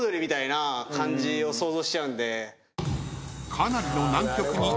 ［かなりの］